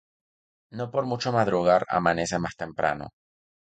No por mucho madrugar amanece más temprano.